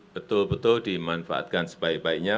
betul betul dimanfaatkan sebaik baiknya